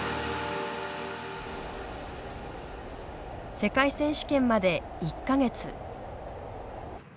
世界選手権まで１か月。